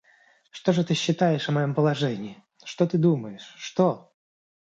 Что же ты считаешь о моем положении, что ты думаешь, что?